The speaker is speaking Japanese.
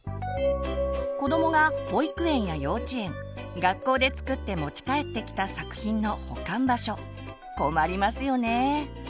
子どもが保育園や幼稚園学校で作って持ち帰ってきた作品の保管場所困りますよねぇ。